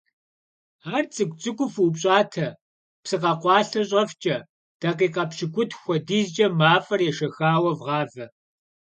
Ар цӀыкӀу-цӀыкӀуу фупщӀатэ, псы къэкъуалъэ щӀэфкӀэ, дакъикъэ пщыкӏутху хуэдизкӀэ мафӀэр ешэхауэ вгъавэ.